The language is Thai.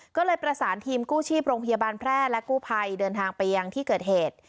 ก็เลยประสานทีมกู้ชีพโรงพยาบาลแพร่และกู้ภัยเดินทางไปยังที่เกิดเหตุ